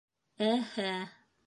Ә-һә!